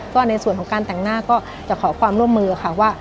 ก็ในส่วนของการแต่งหน้าก็จะขอความร่วมมือค่ะว่า